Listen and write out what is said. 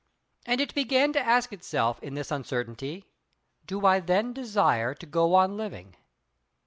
And it began to ask itself in this uncertainty: Do I then desire to go on living?